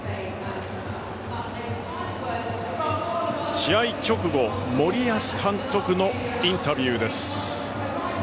試合直後森保監督のインタビューです。